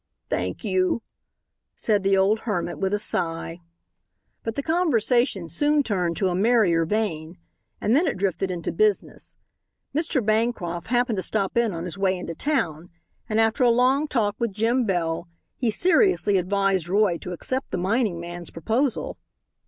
"Thank you," said the old hermit, with a sigh. But the conversation soon turned to a merrier vein. And then it drifted into business. Mr. Bancroft happened to stop in on his way into town and after a long talk with Jim Bell he seriously advised Roy to accept the mining man's proposal.